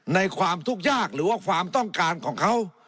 ในความทุกข์ยากหรือว่าความต้องการของเขา